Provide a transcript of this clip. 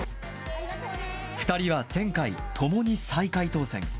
２人は前回、ともに最下位当選。